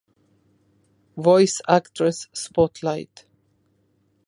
"Voice Actress Spotlight".